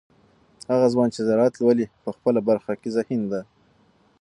هغه ځوان چې زراعت لولي په خپله برخه کې ذهین دی.